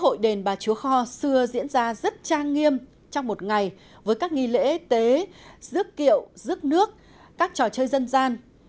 lễ hội đền bà chúa kho xưa diễn ra rất trang nghiêm trong một ngày với các nghi lễ tế rước kiệu rước nước các trò chơi dân gian